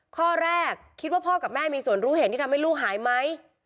ข้อแรกคิดว่าพ่อกับแม่มีส่วนรู้เห็นที่ทำให้ลูกหายไหม